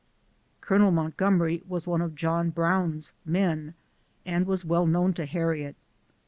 Col. Montgomery was one of John Brown's men, and was well known to Harriet.